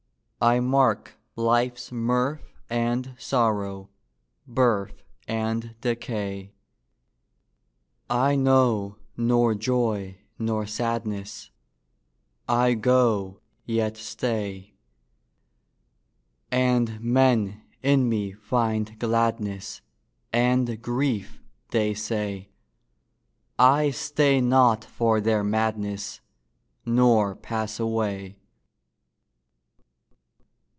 I mark life's mirth and sorrow, Birth and decay. I know nor joy nor sadness: I go, yet stay: And men in me find gladness And grief, they say: I stay not for their madness, Nor pass away.